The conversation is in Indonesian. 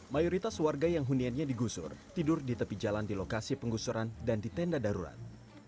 mayoritas warga yang huniannya digusur tidur di tepi jalan di lokasi penggusuran dan di tenda darurat